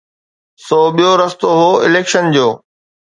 سو ٻيو رستو هو اليڪشن جو.